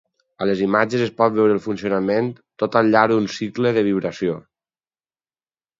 A les imatges es pot veure el funcionament tot al llarg d'un cicle de vibració.